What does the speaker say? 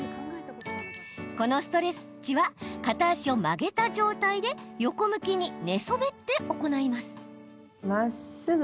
このストレッチは片足を曲げた状態で横向きに寝そべって行います。